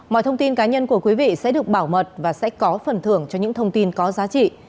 mọi thông tin cá nhân của quý vị sẽ được bảo mật và sẽ có phần thưởng cho những thông tin có giá trị